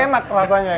ini enak rasanya